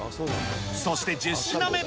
そして１０品目。